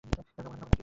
নমুনা দেখাবো নাকি?